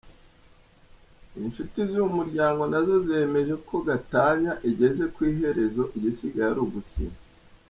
Inshuti z’uyu muryango nazo zemeje ko gatanya igeze ku iherezo igisigaye ari ugusinya.